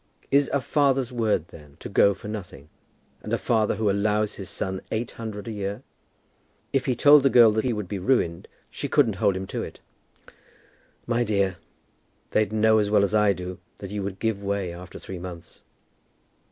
"Is a father's word, then, to go for nothing; and a father who allows his son eight hundred a year? If he told the girl that he would be ruined she couldn't hold him to it." "My dear, they'd know as well as I do, that you would give way after three months."